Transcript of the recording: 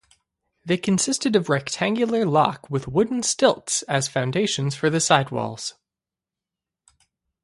They consisted of rectangular lock with wooden stilts as foundations for the side walls.